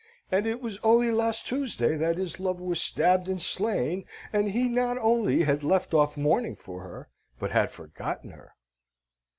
And it was only last Tuesday that his love was stabbed and slain, and he not only had left off mourning for her, but had forgotten her!